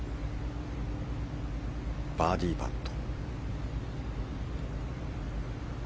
バーディーパット。